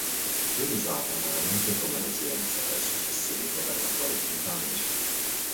Fu usata raramente come residenza dai successivi governatori britannici.